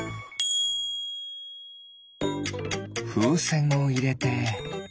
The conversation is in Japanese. ふうせんをいれて。